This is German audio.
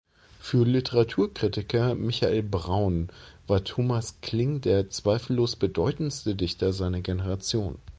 Für den Literaturkritiker Michael Braun war Thomas Kling der „zweifellos bedeutendste Dichter seiner Generation“.